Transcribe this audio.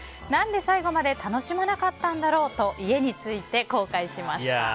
何で最後まで楽しまなかったんだろうと家について、後悔しました。